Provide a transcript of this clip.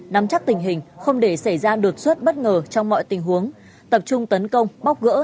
nắm chắc tình hình không để xảy ra đột xuất bất ngờ trong mọi tình huống tập trung tấn công bóc gỡ